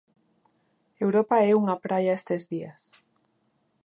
Europa é unha praia estes días.